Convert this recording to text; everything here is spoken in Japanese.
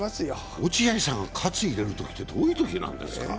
落合さんが喝入れるときって、どういうときなんですか？